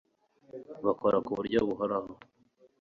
BAKORA KU BURYO BUHORAHO